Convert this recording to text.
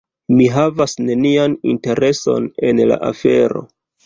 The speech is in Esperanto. Mi havas nenian intereson en la afero.